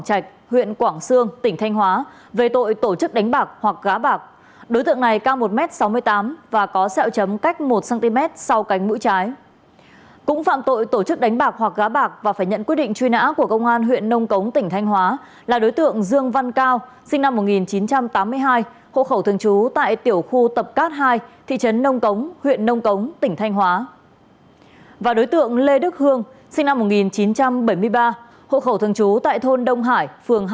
công an huyện quảng sương tỉnh thanh hóa đã ra quyết định truy nã đối với đối tượng đặng văn thắng sinh năm hai nghìn bốn hộ khẩu thường trú tại thôn trạch khê xã quảng sương